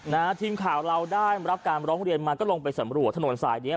นะฮะทีมข่าวเราได้รับการร้องเรียนมาก็ลงไปสำรวจถนนสายเนี้ย